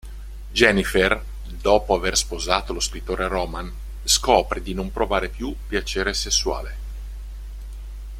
Jennifer, dopo avere sposato lo scrittore Roman, scopre di non provare più piacere sessuale.